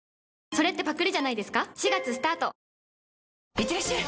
いってらっしゃい！